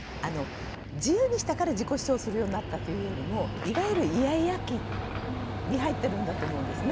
自由にしたから自己主張するようになったというよりもいわゆるイヤイヤ期に入ってるんだと思うんですね。